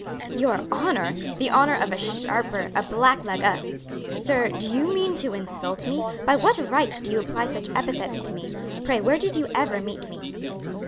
"Your honor! the honor of a sharper, a black leg, a " "Sir, do you mean to insult me? by what right do you apply such epithets to me? Pray where did you ever meet me?"